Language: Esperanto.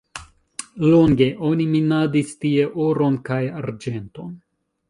Longe oni minadis tie oron kaj arĝenton.